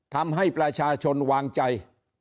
ทำให้ประชาชนวางใจ